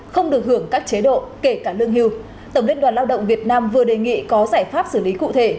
không được hưởng các chế độ kể cả lương hưu tổng liên đoàn lao động việt nam vừa đề nghị có giải pháp xử lý cụ thể